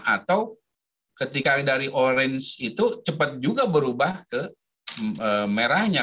atau ketika dari orange itu cepat juga berubah ke merahnya